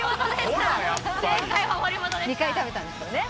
２回食べたんですよね。